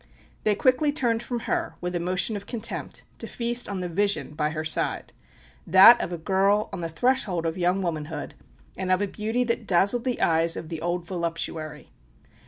They quickly turned from her, with a motion of contempt, to feast on the vision by her side that of a girl on the threshold of young womanhood and of a beauty that dazzled the eyes of the old voluptuary.